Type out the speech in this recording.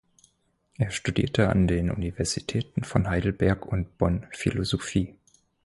Er studierte an den Universitäten von Heidelberg und Bonn Philosophie.